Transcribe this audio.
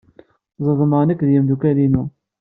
Zedmeɣ nek d yemdukkal-inu.